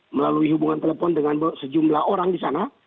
melalui hubungan telepon dengan sejumlah orang di sana